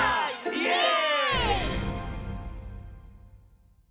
イエーイ！